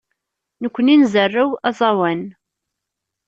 Nekkni nzerrew aẓawan.